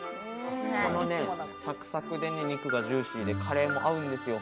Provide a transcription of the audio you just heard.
このサクサクで、肉がジューシーで、カレーが合うんですよ。